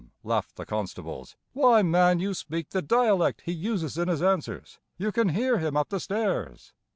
laughed the constables. "Why, man, you speak the dialect He uses in his answers; you can hear him up the stairs.